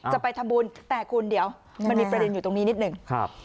จะไปทำบุญแต่คุณเดี๋ยวมันมีประเด็นอยู่ตรงนี้นิดหนึ่งครับ